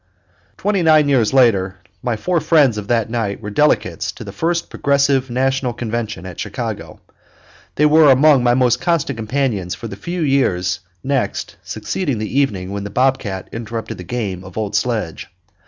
Twenty nine years later my four friends of that night were delegates to the First Progressive National Convention at Chicago. They were among my most constant companions for the few years next succeeding the evening when the bobcat interrupted the game of old sledge.